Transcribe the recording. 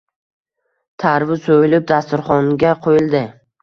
Tarvuz soʻyilib, dasturxonga qoʻyildi